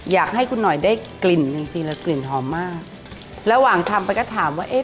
อยากให้คุณหน่อยได้กลิ่นจริงจริงแล้วกลิ่นหอมมากระหว่างทำไปก็ถามว่าเอ๊ะ